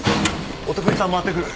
お得意さん回ってくる。